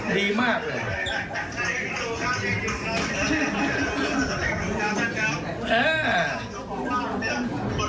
ดีมากเลย